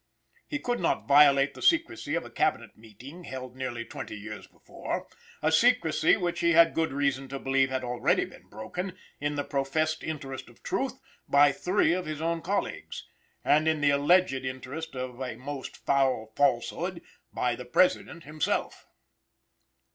He could not violate the secrecy of a Cabinet meeting, held nearly twenty years before; a secrecy which he had good reason to believe had already been broken, in the professed interest of truth, by three of his own colleagues, and, in the alleged interest of a most foul falsehood, by the President himself.